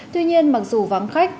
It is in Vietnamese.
tuy nhiên mặc dù vắng khách